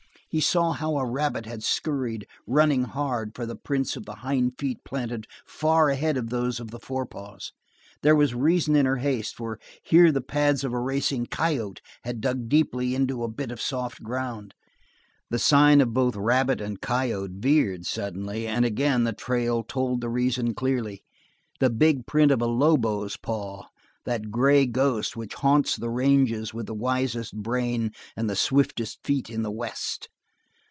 He saw how a rabbit had scurried, running hard, for the prints of the hind feet planted far ahead of those on the forepaws. There was reason in her haste, for here the pads of a racing coyote had dug deeply into a bit of soft ground. The sign of both rabbit and coyote veered suddenly, and again the trail told the reason clearly the big print of a lobo's paw, that gray ghost which haunts the ranges with the wisest brain and the swiftest feet in the West.